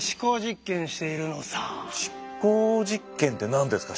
思考実験って何ですか？